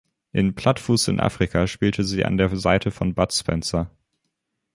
In "Plattfuß in Afrika" spielte sie an der Seite von Bud Spencer.